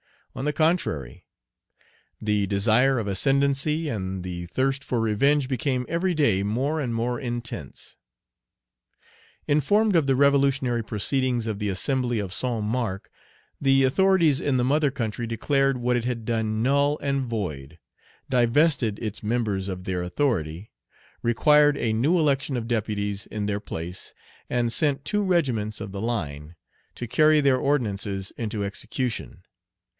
On the contrary, the desire of ascendency and the thirst for revenge became every day more and more intense. Informed of the revolutionary proceedings of the Assembly of St. Marc, the authorities in the mother country declared what it had done null and void, divested its members of their authority, required a new election of deputies in their place, and sent two regiments of the line to carry their ordinances into execution.